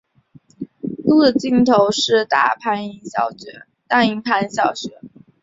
路的尽头就是大营盘小学。